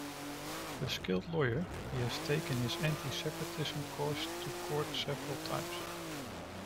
A skilled lawyer, he has taken his anti-separatism cause to court several times.